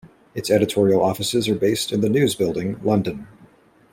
Its editorial offices are based in The News Building, London.